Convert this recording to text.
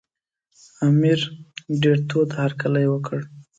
امیر ډېر تود هرکلی وکړ.